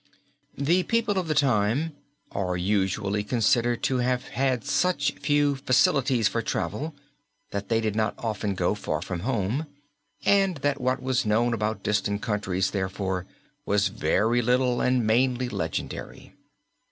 The people of the time are usually considered to have had such few facilities for travel that they did not often go far from home, and that what was known about distant countries, therefore, was very little and mainly legendary.